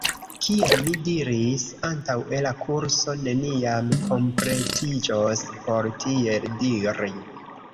Kiel mi diris antaŭe la kurso neniam kompletiĝos por tiel diri.